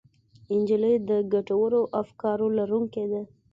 نجلۍ د ګټورو افکارو لرونکې ده.